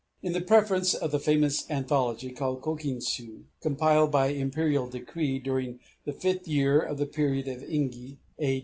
In the preface to the famous anthology called Kokinshū, compiled by Imperial Decree during the fifth year of the period of Engi (A.